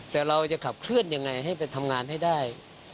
แต่เราจะขับเคลื่อนยังไงให้ไปทำงานให้ได้